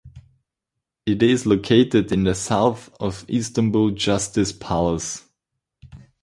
It is located in the south of Istanbul Justice Palace.